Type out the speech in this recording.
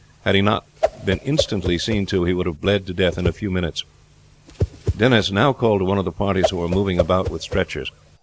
Had he not been instantly seen to he would have bled to death in a few minutes. Denis now called to one of the parties who were moving about with stretchers.